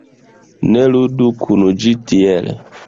Ne ludu kun ĝi tiel